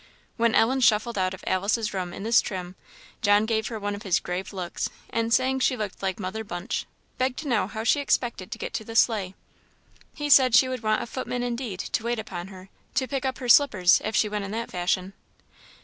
When Ellen shuffled out of Alice's room in this trim, John gave her one of his grave looks, and saying she looked like Mother Bunch, begged to know how she expected to get to the sleigh; he said she would want a footman indeed to wait upon her, to pick up her slippers, if she went in that fashion.